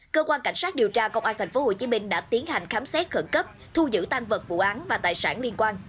cơ quan cảnh sát điều tra công an tp hcm đã tiến hành khám xét khẩn cấp thu giữ tan vật vụ án và tài sản liên quan